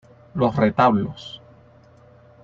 Los retablos